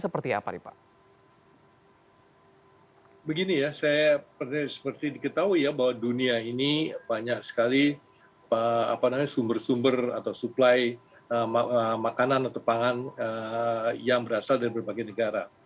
begini ya saya seperti diketahui ya bahwa dunia ini banyak sekali sumber sumber atau suplai makanan atau pangan yang berasal dari berbagai negara